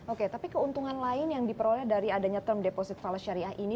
oke tapi keuntungan lain yang diperoleh dari adanya term deposit falas syariah ini